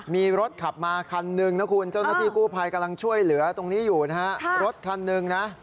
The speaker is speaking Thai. มีรถขับมาคันหนึ่งนะคุณเจ้าหน้าที่กู้ภัยกำลังช่วยเหลือตรงนี้อยู่นะฮะรถคันหนึ่งนะ